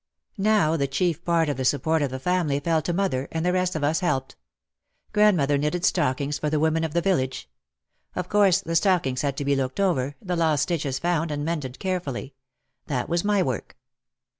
Now the chief part of the support of the family fell to mother, and the rest of us helped. Grandmother knitted stockings for the women of the village. Of course the stockings had to be looked over, the lost stitches found and mended carefully. That was my work.